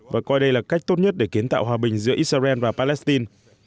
và coi đây là cách tốt nhất để kiến tạo hòa bình giữa israel và palestine